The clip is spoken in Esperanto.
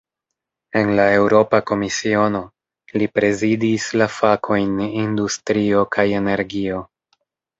En la Eŭropa Komisiono, li prezidis la fakojn "industrio kaj energio".